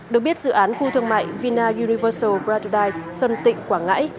được biết dự án khu thương mại vina universal paradise sơn tịnh quảng ngãi